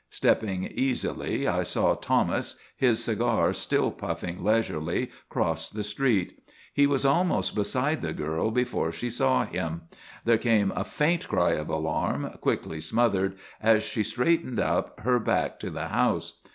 Stepping easily, I saw Thomas, his cigar still puffing leisurely, cross the street. He was almost beside the girl before she saw him. There came a faint cry of alarm, quickly smothered, as she straightened up, her back to the house.